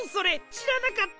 しらなかった！